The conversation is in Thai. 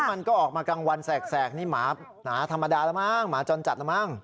มันก็ออกมากลางวันแสกนี่หมาหนาธรรมดาแล้วมั้งหมาจรจัดแล้วมั้ง